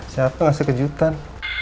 siapa ngasih kejutan